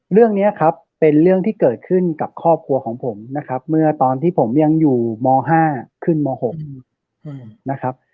เรื่องนี้ครับเป็นเรื่องที่เกิดขึ้นกับครอบครัวของผมนะครับเมื่อตอนที่ผมยังอยู่ม๕ขึ้นม๖นะครับ